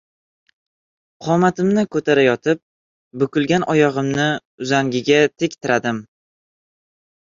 Qomatimni ko‘tarayotib, bukilgan oyog‘imni uzangiga tik tiradim.